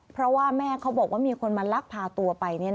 เพราะว่าแม่เขาบอกว่ามีคนมาลักพาตัวไป